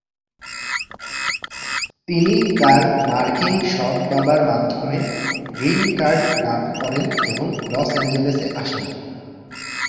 তিনি তার মার্কিন সৎ বাবার মাধ্যমে গ্রীন কার্ড লাভ করেন এবং লস এঞ্জেলেসে আসেন।